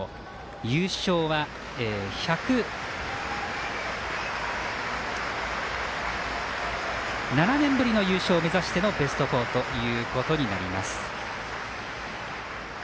優勝は１０７年ぶりの優勝を目指してのベスト４ということになります。